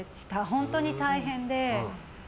本当に大変で。